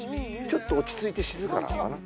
ちょっと落ち着いて静かなのかな？